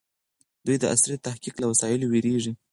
دوی د عصري تحقيق له وسایلو وېرېږي.